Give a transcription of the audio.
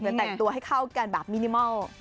แต่งตัวให้เข้ากันแบบมินิมอล